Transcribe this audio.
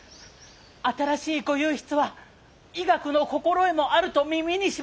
新しい御右筆は医学の心得もあると耳にしまして。